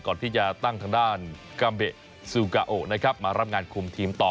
ก่อนที่จะตั้งทางด้านกา็มเหเบนซูกาอล์มารับงานคุมทีมต่อ